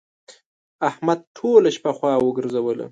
احمد ټوله شپه خوا وګرځوله.